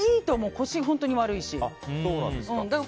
腰、本当に悪いし。